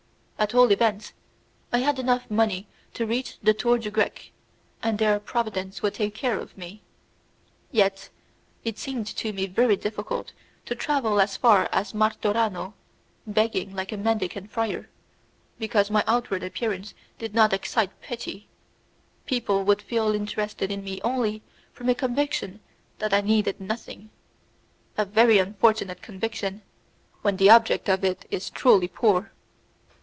At all events, I had enough money to reach the Tour du Grec, and there Providence would take care of me. Yet it seemed to me very difficult to travel as far as Martorano, begging like a mendicant friar, because my outward appearance did not excite pity; people would feel interested in me only from a conviction that I needed nothing a very unfortunate conviction, when the object of it is truly poor.